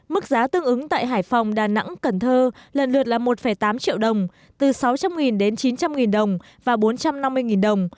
mức giá tương ứng tại hải phòng đà nẵng cần thơ lần lượt là một tám triệu đồng từ sáu trăm linh đến chín trăm linh đồng và bốn trăm năm mươi đồng